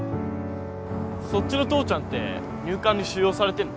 そっちの父ちゃんって入管に収容されてんの？